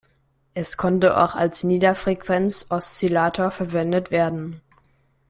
Es konnte auch als Niederfrequenz-Oszillator verwendet werden.